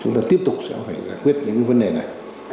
chúng ta tiếp tục sẽ phải giải quyết những vấn đề này